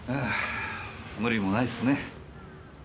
無理もないっすね。